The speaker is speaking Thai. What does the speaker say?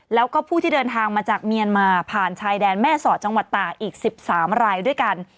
แล้วก็ผู้ที่เดินทางมาจากเมียนมาผ่านชายแดนแม่สอดจังหวัดตากอีก๑๓รายด้วยกัน